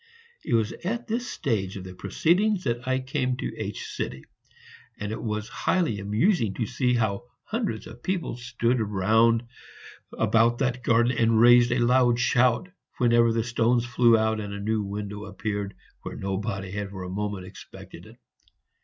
It was at this stage of the proceedings that I came to H ; and it was highly amusing to see how hundreds of people stood round about the garden and raised a loud shout whenever the stones flew out and a new window appeared where nobody had for a moment expected it.